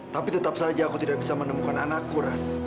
tapi tetap saja aku tidak bisa menemukan anakku ras